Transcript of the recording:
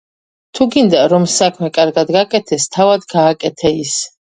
„თუ გინდა, რომ საქმე კარგად გაკეთდეს, თავად გააკეთე ის.”